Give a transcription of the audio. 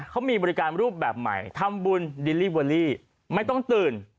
เขามีบริการรูปแบบใหม่ทำบุญไม่ต้องตื่น